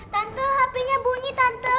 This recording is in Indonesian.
tante hp nya bunyi tante